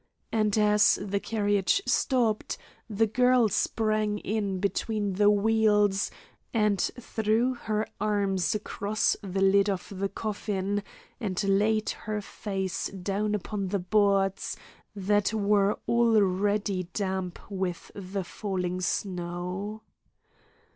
And as the carriage stopped the girl sprang in between the wheels and threw her arms across the lid of the coffin, and laid her face down upon the boards that were already damp with the falling snow.